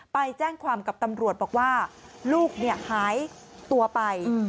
ไปแจ้งความกับตำรวจบอกว่าลูกหายตัวไป